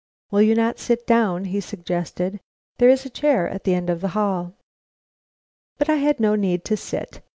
"Will you not sit down?" he suggested. "There is a chair at the end of the hall." But I had no need to sit.